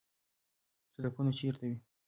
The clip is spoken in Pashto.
صدفونه چیرته وي؟